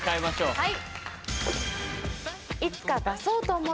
はい。